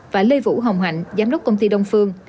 và lê vũ hồng hạnh giám đốc công ty đông phương